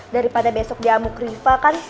daripada besok diamuk riva kan